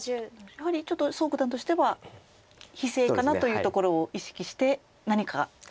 やはりちょっと蘇九段としては非勢かなというところを意識して何か。